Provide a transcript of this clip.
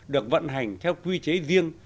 được vận hành theo quy chế riêng